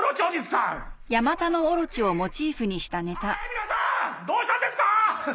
皆さんどうしたんですか